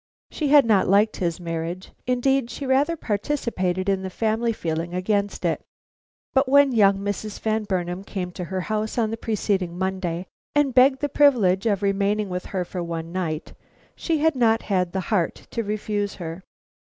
She had not liked his marriage; indeed, she rather participated in the family feeling against it, but when young Mrs. Van Burnam came to her house on the preceding Monday, and begged the privilege of remaining with her for one night, she had not had the heart to refuse her.